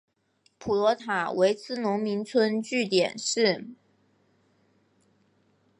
普洛塔韦茨农村居民点是俄罗斯联邦别尔哥罗德州科罗恰区所属的一个农村居民点。